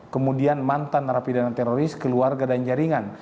kemudian mantan narapidana teroris keluarga dan jaringan